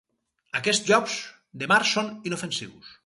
Aquests llops de mar són inofensius.